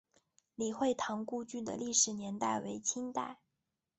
李惠堂故居的历史年代为清代。